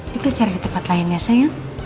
kita cari tempat lain ya sayang